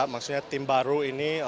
maksudnya tim baru ini